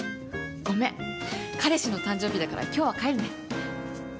ごめん、彼氏の誕生日だから今日は帰るね。